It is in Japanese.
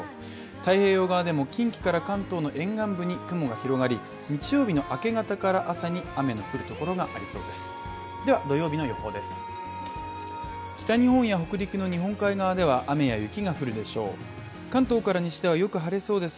太平洋側でも近畿から関東の沿岸部に雲が広がり日曜日の明け方から朝に雨の降るところがありそうです。